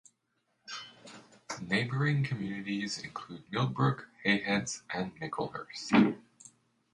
Neighbouring communities include Millbrook, Heyheads and Micklehurst.